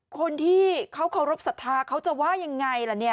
คนที่เขาเคารพสัทธาเขาจะว่ายังไงล่ะเนี่ย